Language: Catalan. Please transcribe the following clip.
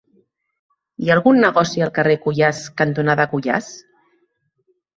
Hi ha algun negoci al carrer Cuyàs cantonada Cuyàs?